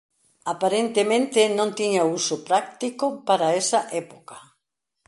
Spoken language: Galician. Aparentemente non tiña uso práctico para esa época.